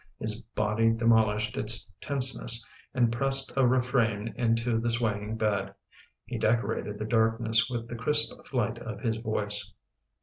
His body demolished its tenseness and pressed a refrain into the swaying bed. He deco rated the darkness with the crisp flight of his voice.